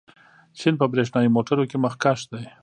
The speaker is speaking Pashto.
چین په برېښنايي موټرو کې مخکښ دی.